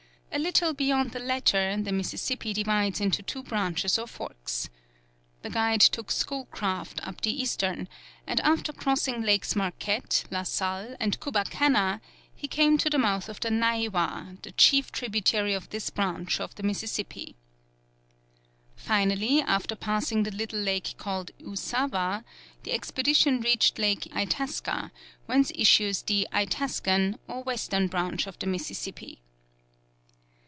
A little beyond the latter, the Mississippi divides into two branches or forks. The guide took Schoolcraft up the eastern, and after crossing Lakes Marquette, La Salle, and Kubbakanna, he came to the mouth of the Naiwa, the chief tributary of this branch of the Mississippi. Finally, after passing the little lake called Usawa, the expedition reached Lake Itasca, whence issues the Itascan, or western branch of the Mississippi.